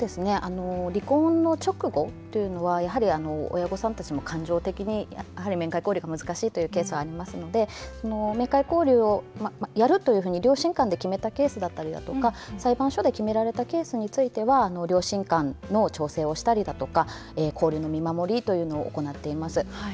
離婚の直後というのはやはり、親御さんたちも感情的でやはり面会交流が難しいというケースがありますので面会交流をやるというふうに両親間で決めたケースだったりだとか裁判所で決められたケースについては両親間の調整をしたりだとか交流の見守りというのを行っています。